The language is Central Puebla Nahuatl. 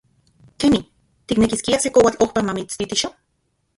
¡Keni! ¿tiknekiskia se koatl ojpa mamitstitixo?